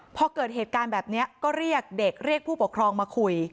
พอเกิดเหตุการณ์แบบนี้ก็เรียกเด็กเรียกผู้ปกครองมาคุย